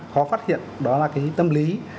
khó phát hiện đó là cái tâm lý